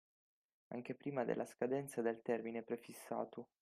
Anche prima della scadenza del termine prefissato.